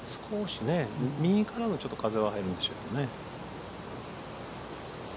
右からの風は入るんでしょうかね。